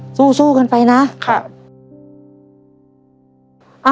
โอ้โฮสู้กันไปนะ